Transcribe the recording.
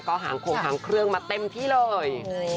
ก็หางโคงหางเครื่องมาเต็มที่เลย